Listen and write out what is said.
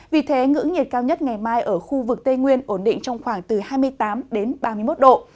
vì thế ngưỡng nhiệt cao nhất ngày mai ở khu vực tây nguyên ổn định trong khoảng từ hai mươi tám đến ba mươi một độ